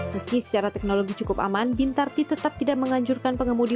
meski secara teknologi cukup aman bintarti tetap tidak menganjurkan pengemudi